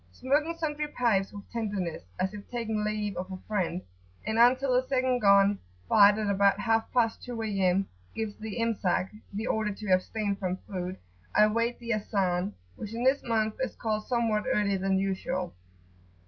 Smoking sundry pipes with tenderness, as if taking leave of a friend; and until the second gun, fired at about half past two A.M., gives the Imsak,[FN#4] the order to abstain from food, I wait the Azan,[FN#5] which in this month is called somewhat earlier than usual.